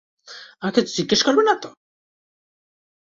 আমাকে কিছু জিজ্ঞেস করবে না তো?